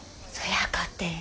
そやかて。